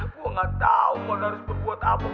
gue gak tau mon harus berbuat apa mon